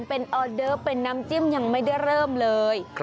เป็นออเดิร์ฟเป็นน้ำจิ้มยังไม่ได้เริ่มเลย